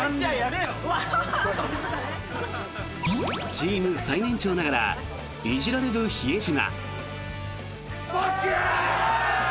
チーム最年長ながらいじられる比江島。